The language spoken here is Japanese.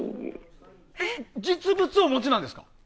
実物をお持ちなんですか？